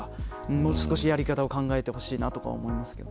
もう少しやり方を考えてほしいです。